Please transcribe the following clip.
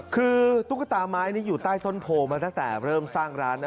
คือตุ๊กตาไม้นี้อยู่ใต้ต้นโพมาตั้งแต่เริ่มสร้างร้านนะ